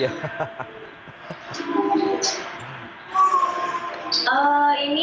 ini ada abit yang pertama abit